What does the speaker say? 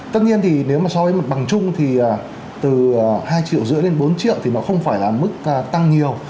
tất nhiên nếu mà so với một bằng chung thì từ hai triệu rưỡi lên bốn triệu thì nó không phải là mức tăng nhiều